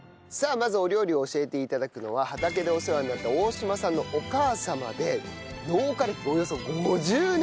まずお料理を教えて頂くのは畑でお世話になった大島さんのお母様で農家歴およそ５０年！